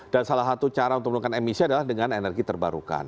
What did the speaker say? dan salah satu cara untuk menurunkan emisi adalah dengan energi terbarukan